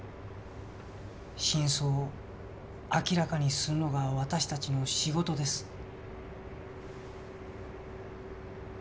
真相を明らかにするのが私たちの仕事です。